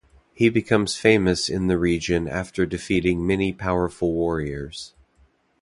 He becomes famous in the region after defeating many powerful warriors.